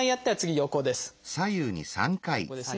横ですね。